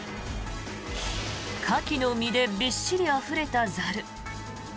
カキの身でびっしりあふれたザル。